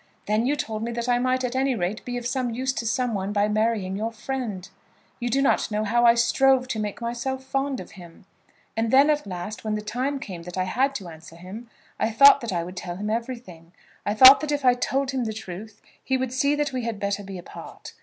Then you told me that I might at any rate be of some use to some one, by marrying your friend. You do not know how I strove to make myself fond of him! And then, at last, when the time came that I had to answer him, I thought that I would tell him everything. I thought that if I told him the truth he would see that we had better be apart.